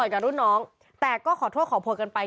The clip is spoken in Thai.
แต่งก็ขอโทษของพวกเรากันไป